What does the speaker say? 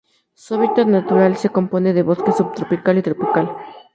Su hábitat natural se compone de bosque subtropical y tropical.